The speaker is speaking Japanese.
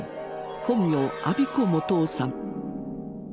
本名安孫子素雄さん。